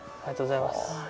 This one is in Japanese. ありがとうございます。